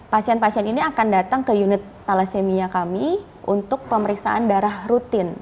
pasien pasien ini akan datang ke unit thalassemia kami untuk pemeriksaan darah rutin